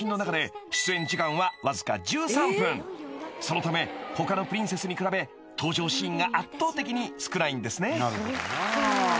［そのため他のプリンセスに比べ登場シーンが圧倒的に少ないんですね］